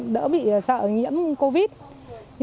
đỡ bị sợ nhiễm covid